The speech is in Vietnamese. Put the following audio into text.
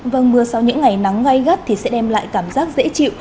vâng mưa sau những ngày nắng gai gắt thì sẽ đem lại cảm giác dễ chịu